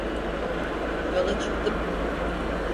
Yola çıktım.